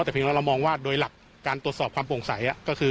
แต่เพียงว่าเรามองว่าโดยหลักการตรวจสอบความโปร่งใสก็คือ